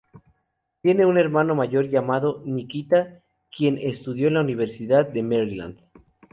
Tiene un hermano mayor, llamado Nikita, quien estudió en la Universidad de Maryland.